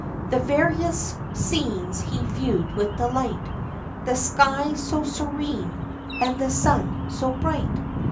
The various scenes he viewed with delight; The sky so serene, and the sun so bright!